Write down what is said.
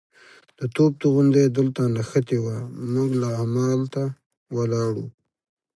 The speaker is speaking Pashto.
د توپ توغندی دلته نښتې وه، موږ لا همالته ولاړ وو.